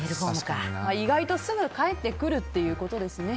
意外とすぐ返ってくるということですね。